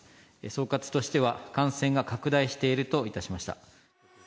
総括としては、感染が拡大しているといたしました。